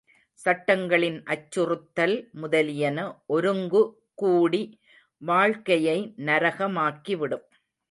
சட்டங்களின் அச்சுறுத்தல் முதலியன ஒருங்குகூடி வாழ்க்கையை நரகமாக்கிவிடும்.